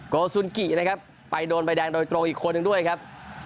โกสุนกินะครับไปโดนใบแดงโดยตรงอีกคนหนึ่งด้วยครับ